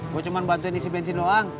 gue cuma bantuin isi bensin doang